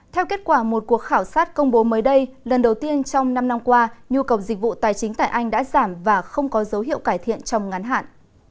theo kết quả một cuộc khảo sát công bố mới đây lần đầu tiên trong năm năm qua nhu cầu dịch vụ tài chính tại anh đã giảm và không có dấu hiệu cải thiện trong ngắn hạn